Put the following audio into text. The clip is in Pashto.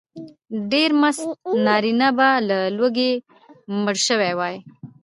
ډېر مست نارینه به له لوږې مړه شوي وای.